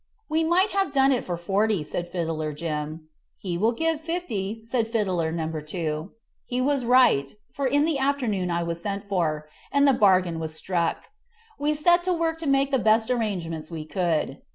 "We might have done it for forty," said Fiddler Jim. "He will give you fifty," said Fiddler No. 2. He was right, for in the afternoon I was sent for, and the bargain was struck. We set to work to make the best arrangements we could.